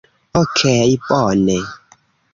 Okej, bone.